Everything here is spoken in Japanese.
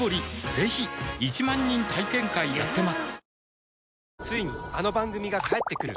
ぜひ１万人体験会やってますはぁ。